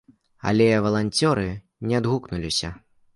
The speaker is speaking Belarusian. Але валанцёры не адгукнуліся.